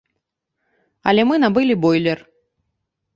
Але мы набылі бойлер.